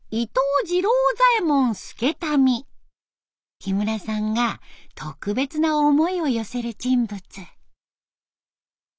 木村さんが特別な思いを寄せる人物。